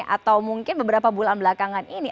atau mungkin beberapa bulan belakangan ini